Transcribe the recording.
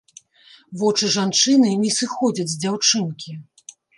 Вочы жанчыны не сыходзяць з дзяўчынкі.